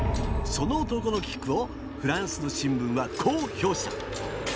その男のキックをフランスの新聞はこう評した。